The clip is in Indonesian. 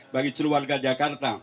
bagi keluarga jakarta